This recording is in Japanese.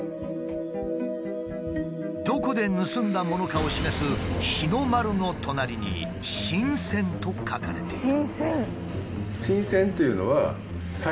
どこで盗んだものかを示す「日の丸」の隣に「新鮮」と書かれている。